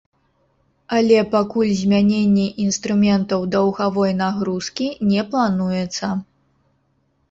Але пакуль змяненне інструментаў даўгавой нагрузкі не плануецца.